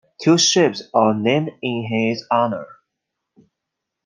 Two ships were named in his honor.